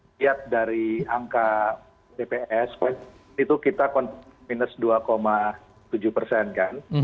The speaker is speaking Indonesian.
lihat dari angka tps itu kita minus dua tujuh persen kan